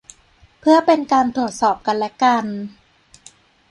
เพื่อเป็นการตรวจสอบกันและกัน